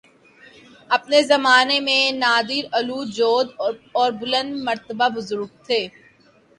۔ اپنے زمانہ میں نادرالوجود اور بلند مرتبہ بزرگ تھے